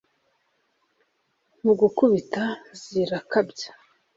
mu gukubita zirakabya,